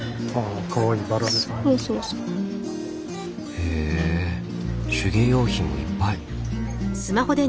へえ手芸用品がいっぱい。